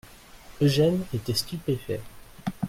Eugène était stupéfait.